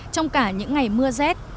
trong cả những ngày mưa rét